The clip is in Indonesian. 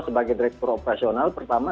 sebagai direktur operasional pertama